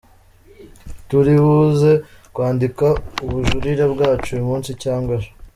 Turi buze kwandika ubujurire bwacu uyu munsi cyangwa ejo.